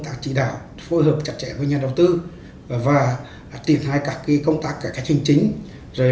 tác chỉ đạo phù hợp chặt chẽ với nhà đầu tư và triển khai các cái công tác cả cách hình chính rồi